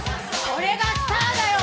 これがスターだよ！